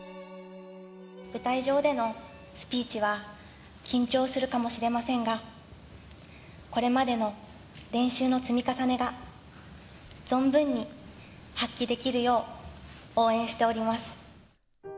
舞台上でのスピーチは緊張するかもしれませんが、これまでの練習の積み重ねが存分に発揮できるよう、応援しております。